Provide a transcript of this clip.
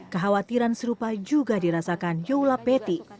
kekhawatiran serupa juga dirasakan yola petty